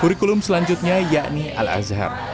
kurikulum selanjutnya yakni al azhar